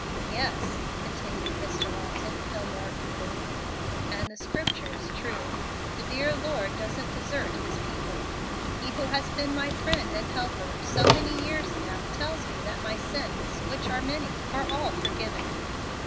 '" "Yes," continued Mr. Walton, though more feebly; "and the Scripture is true. The dear Lord doesn't desert His people. He who has been my friend and helper so many years now tells me that my sins, which are many, are all forgiven.